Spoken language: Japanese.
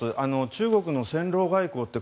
中国の戦狼外交って